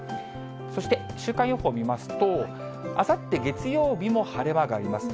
そして週間予報見ますと、あさって月曜日も晴れ間があります。